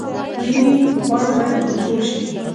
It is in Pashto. وینې غوړ باید کنټرول شي